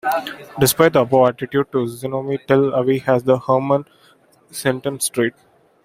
Despite the above attitude to Zionism, Tel Aviv has a Hermann Cohen Street.